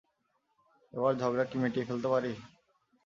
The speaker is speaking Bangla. এবার ঝগড়াটা কি মিটিয়ে ফেলতে পারি?